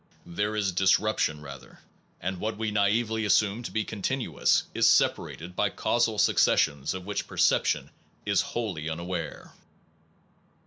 There is disruption rather; and what we naively assume to be continuous is separated by causal successions of which per ception is wholly unaware.